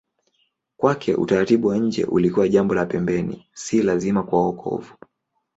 Kwake utaratibu wa nje ulikuwa jambo la pembeni, si lazima kwa wokovu.